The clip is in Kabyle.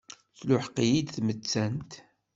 Tluḥeq-iyi-d tmettant.